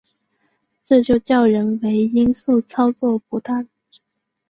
这就叫人为因素操作不当